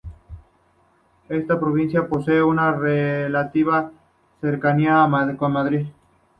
Esta provincia posee una relativa cercanía con Madrid.